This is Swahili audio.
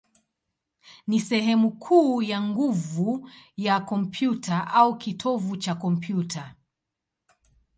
ni sehemu kuu ya nguvu ya kompyuta, au kitovu cha kompyuta.